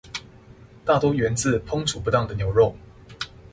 大多源自於烹煮不當的牛肉